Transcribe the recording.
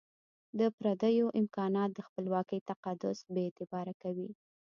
د پردیو امکانات د خپلواکۍ تقدس بي اعتباره کوي.